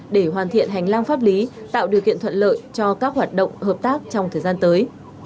để hoàn thiện hành lang pháp lý tạo điều kiện thuận lợi cho các hoạt động hợp tác trong thời gian tới